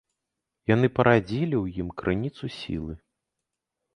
Яны парадзілі ў ім крыніцу сілы.